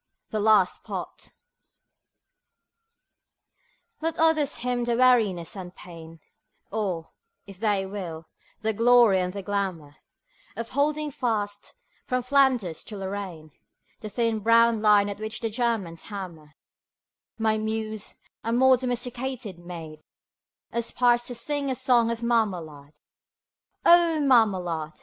THE LAST POT Let others hymn the weariness and pain (Or, if they will, the glory and the glamour) Of holding fast, from Flanders to Lorraine, The thin brown line at which the Germans hammer; My Muse, a more domesticated maid, Aspires to sing a song of Marmalade. O Marmalade!